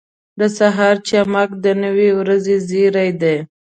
• د سهار چمک د نوې ورځې زېری دی.